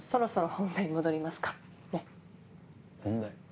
本題？